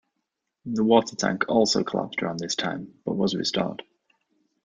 The water tank also collapsed around this time but was restored.